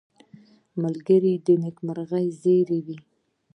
ملګری د نېکمرغۍ زېری وي